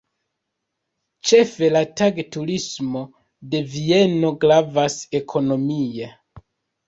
Ĉefe la tag-turismo de Vieno gravas ekonomie.